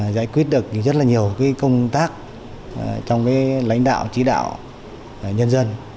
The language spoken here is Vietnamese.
giải quyết được rất là nhiều công tác trong lãnh đạo chỉ đạo nhân dân